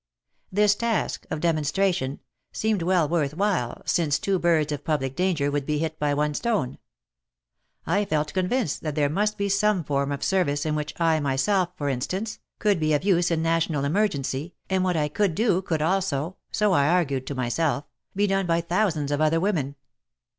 This task — of demonstration — seemed well worth while, since two birds of public danger would be hit by one stone. I felt convinced that there must be some form of service in which I myself, for instance, could be of use in national emergency, and what I could do, could also — so I argued to myself — be done by thousands of other women.